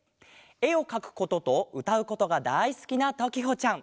えをかくこととうたうことがだいすきなときほちゃん。